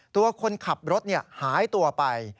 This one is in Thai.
ตัวคนขับรถหายตัวไป